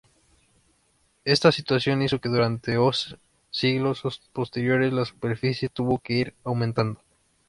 Esta situación hizo que durante os siglos posteriores la superficie tuvo que ir aumentando.